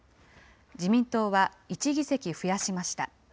自民党は１議席増やしました。